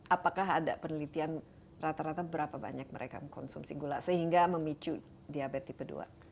apakah ada penelitian rata rata berapa banyak mereka mengkonsumsi gula sehingga memicu diabetes tipe dua